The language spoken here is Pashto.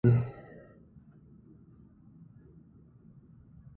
د خزان باد د ونو پاڼې له څانګو جلا کوي.